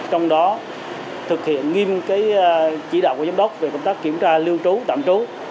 trong đó thực hiện nghiêm chỉ đạo của giám đốc về công tác kiểm tra lưu trú tạm trú